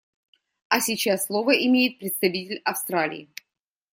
А сейчас слово имеет представитель Австралии.